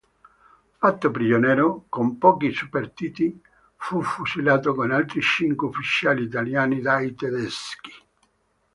Fatto prigioniero, con pochi superstiti, fu fucilato con altri cinque ufficiali italiani dai tedeschi.